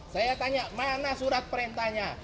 saya tanya mana surat perintahnya